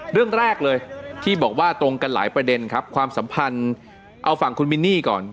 เรื่องแรกเลยที่บอกว่าตรงกันหลายประเด็นครับความสัมพันธ์เอาฝั่งคุณมินนี่ก่อน